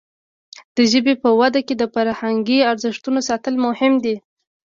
د ژبې په وده کې د فرهنګي ارزښتونو ساتل مهم دي.